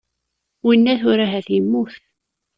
Winna tura ahat yemmut.